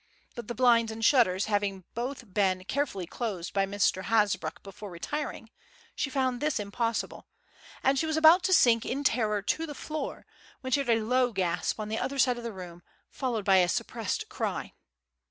But the blinds and shutters both having been carefully closed by Mr. Hasbrouck before retiring, she found this impossible, and she was about to sink in terror to the floor, when she heard a low gasp on the other side of the room followed by a suppressed cry.